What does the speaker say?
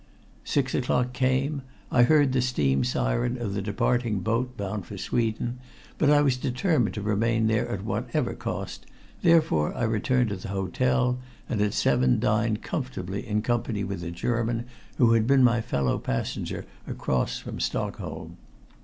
Six o'clock came. I heard the steam siren of the departing boat bound for Sweden, but I was determined to remain there at whatever cost, therefore I returned to the hotel, and at seven dined comfortably in company with a German who had been my fellow passenger across from Stockholm.